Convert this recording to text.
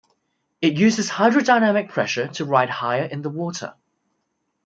It uses hydrodynamic pressure to ride higher in the water.